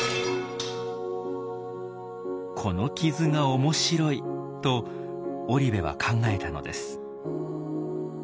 この傷が面白いと織部は考えたのです。